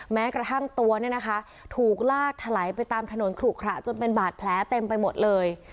แม้กระทั่งตัวเนี่ยนะคะถูกลากถลายไปตามถนนขลุขระจนเป็นบาดแผลเต็มไปหมดเลย